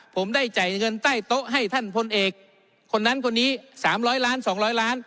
ผมได้จ่ายเงินใต้โต๊ะให้ท่านพลเอกคนนั้นคนนี้สามร้อยล้านสองร้อยล้าน